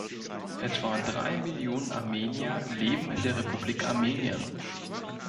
Etwa drei Millionen Armenier leben in der Republik Armenien.